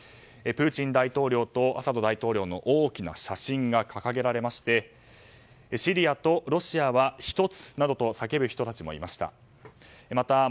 プーチン大統領とアサド大統領の大きな写真が掲げられましてシリアとロシアは１つなどと叫ぶ人たちもいました。